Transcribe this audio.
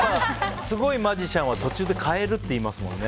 すごいマジシャンは途中で変えるって言いますもんね。